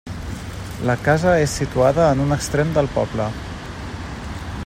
La casa és situada en un extrem del poble.